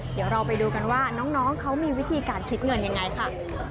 เดี๋ยวเราไปดูกันว่าน้องเขามีวิธีการคิดเงินยังไงค่ะ